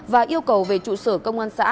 và yêu cầu về trụ sở công an xã